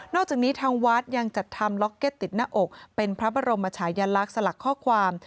อกจากนี้ทางวัดยังจัดทำล็อกเก็ตติดหน้าอกเป็นพระบรมชายลักษณ์สลักข้อความ